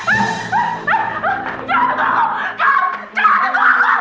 nggak mau gak makasih